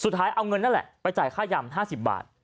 สุดท้ายเอาเงินนั่นแหละไปจ่ายค่ายำห้าสิบบาท